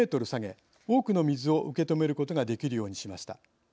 多くの水を受け止めることができるようにしました。